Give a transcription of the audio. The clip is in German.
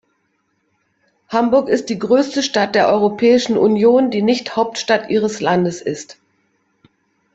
Hamburg ist die größte Stadt der Europäischen Union, die nicht Hauptstadt ihres Landes ist.